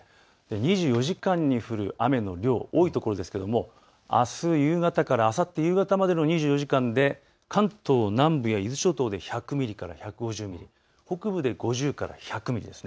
２４時間に降る雨の量、多い所ですがあす夕方からあさって夕方までの２４時間で関東南部や伊豆諸島で１００ミリから１５０ミリ、北部で５０から１００ミリです。